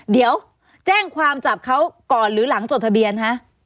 เดี๋ยวแจ้งความจับเขาก่อนหรือหลังจดทะเบียนฮะ